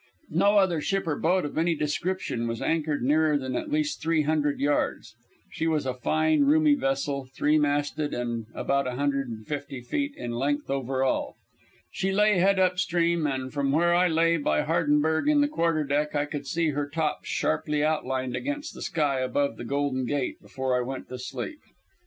No other ship or boat of any description was anchored nearer than at least 300 yards. She was a fine, roomy vessel, three masted, about 150 feet in length overall. She lay head up stream, and from where I lay by Hardenberg on the quarterdeck I could see her tops sharply outlined against the sky above the Golden Gate before I went to sleep.